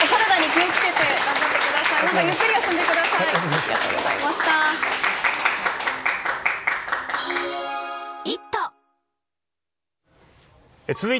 ゆっくり休んでください。